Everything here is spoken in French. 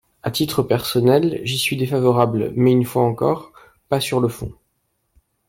À titre personnel, j’y suis défavorable mais, une fois encore, pas sur le fond.